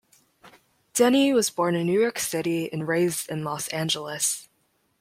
Denny was born in New York City and raised in Los Angeles.